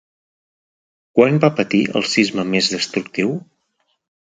Quan va patir el sisme més destructiu?